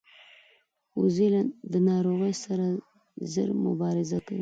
وزې د ناروغۍ سره ژر مبارزه کوي